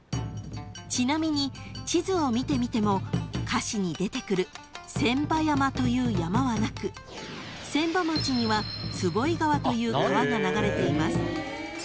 ［ちなみに地図を見てみても歌詞に出てくる「船場山」という山はなく船場町には坪井川という川が流れています］